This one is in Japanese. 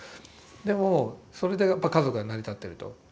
でもそれで家族が成り立ってると。